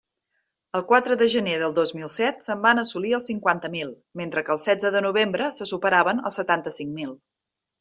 El quatre de gener del dos mil set se'n van assolir els cinquanta mil, mentre que el setze de novembre se superaven els setanta-cinc mil.